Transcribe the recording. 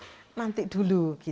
saya masih nanti dulu